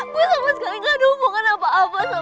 gue sama sekali gak ada hubungan apa apa sama alva